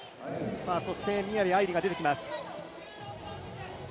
そして宮部藍梨が出てきます。